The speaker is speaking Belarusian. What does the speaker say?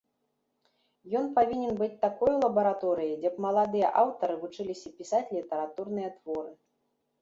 Ён павінен быць такою лабараторыяй, дзе б маладыя аўтары вучыліся пісаць літаратурныя творы.